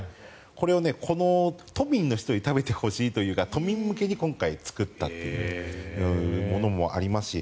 都民の人に食べてほしいというか都民向けに今回作ったというものもありますし